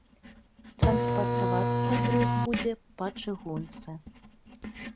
Транспартавацца груз будзе па чыгунцы.